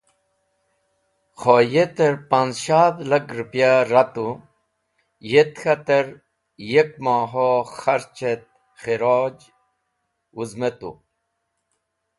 Kho, yeter panz̃shadh lag ripya ratu, yet k̃hater yek mohoah kharch et khiroj wũzmetu.